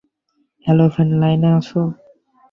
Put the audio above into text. Hello Fred, লাইনে আছো?